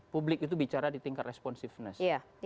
publik itu bicara di tingkat responsiveness